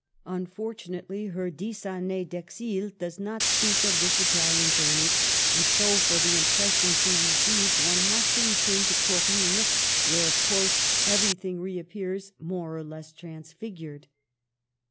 Unfortunately, her Dix Annies dExil does not speak of this Italian journey, and so, for the impression she received, one has to turn to Corinne, where, of course, everything reappears more or less transfigured.